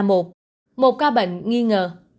một ca bệnh nghi ngờ